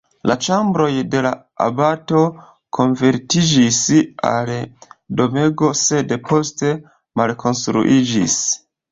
La ĉambroj de la abato konvertiĝis al domego, sed poste malkonstruiĝis.